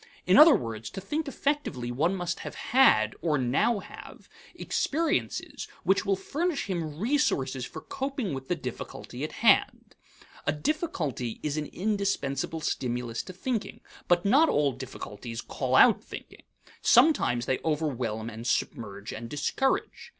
In other words, to think effectively one must have had, or now have, experiences which will furnish him resources for coping with the difficulty at hand. A difficulty is an indispensable stimulus to thinking, but not all difficulties call out thinking. Sometimes they overwhelm and submerge and discourage.